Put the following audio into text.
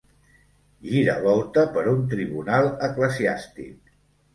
Giravolta per un tribunal eclesiàstic.